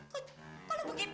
kok lo begitu